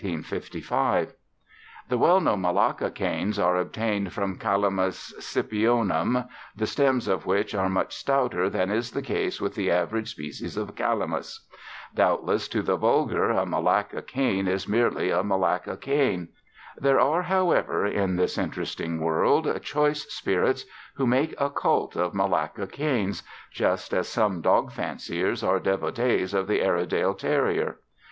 The well known Malacca canes are obtained from Calamus Scipionum, the stems of which are much stouter than is the case with the average species of Calamus. Doubtless to the vulgar a Malacca cane is merely a Malacca cane. There are, however, in this interesting world choice spirits who make a cult of Malacca canes, just as some dog fanciers are devotees of the Airedale terrier.